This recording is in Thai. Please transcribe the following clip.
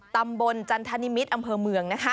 ตำบลจันทนิมิตรอำเภอเมือง